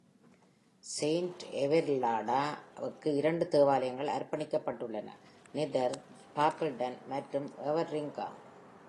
Saint Everilda-வுக்கு இரண்டு தேவாலயங்கள் அர்ப்பணிக்கப்பட்டுள்ளன - neither பாப்பிள்டன் மற்றும் எவரிங்ஹாம்.